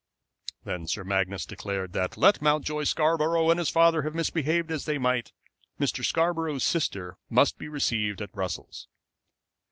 Then Sir Magnus declared that, let Mountjoy Scarborough and his father have misbehaved as they might, Mr. Scarborough's sister must be received at Brussels.